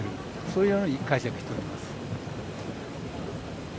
そういうように解釈しております。